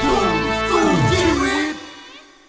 โปรดรับข้อความจากใจใกล้ไหนห้องใจ